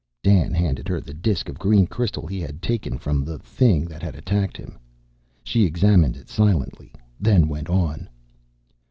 Dan handed her the disk of green crystal he had taken from the thing that had attacked him. She examined it silently, then went on.